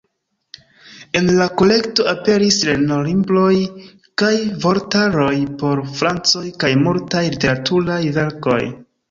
En la kolekto aperis lernolibroj kaj vortaroj por francoj kaj multaj literaturaj verkoj.